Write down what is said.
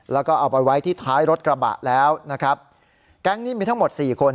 แล้วก็เอาไปไว้ที่ท้ายรถกระบะแล้วนะครับแก๊งนี้มีทั้งหมดสี่คน